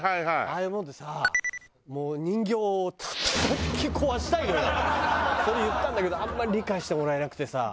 ああいうもんでさもう人形をそれ言ったんだけどあんまり理解してもらえなくてさ。